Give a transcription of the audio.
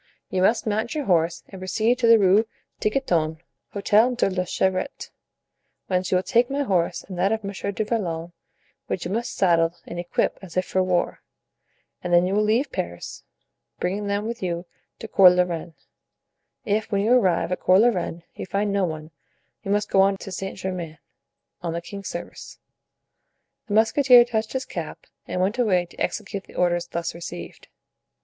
You must mount your horse and proceed to the Rue Tiquetonne, Hotel de la Chevrette, whence you will take my horse and that of Monsieur du Vallon, which you must saddle and equip as if for war, and then you will leave Paris, bringing them with you to Cours la Reine. If, when you arrive at Cours la Reine, you find no one, you must go on to Saint Germain. On the king's service." The musketeer touched his cap and went away to execute the orders thus received.